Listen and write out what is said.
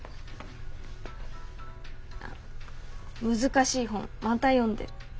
あ難しい本また読んでる。